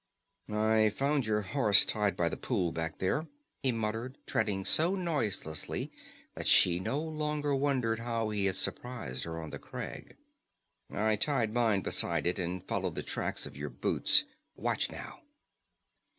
"I found your horse tied by the pool back there," he muttered, treading so noiselessly that she no longer wondered how he had surprised her on the crag. "I tied mine beside it and followed the tracks of your boots. Watch, now!"